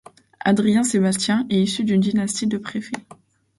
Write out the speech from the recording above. Adrien-Sébastien est issu d'une dynastie de préfets.